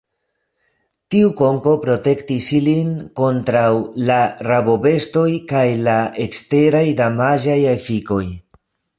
Tiu konko protektis ilin kontraŭ la rabobestoj kaj la eksteraj damaĝaj efikoj.